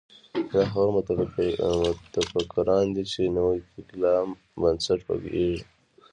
دا هغه متفکران دي چې نوي کلام بنسټ به کېږدي.